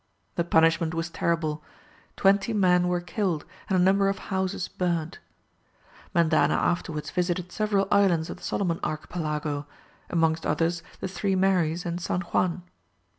The punishment was terrible; twenty men were killed and a number of houses burnt. Mendana afterwards visited several islands of the Solomon archipelago, amongst others the Three Maries and San Juan.